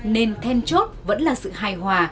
nên then chốt vẫn là sự hài hòa